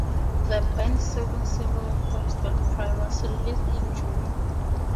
The band's second single, "Boys Don't Cry", was released in June.